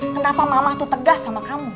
kenapa mama itu tegas sama kamu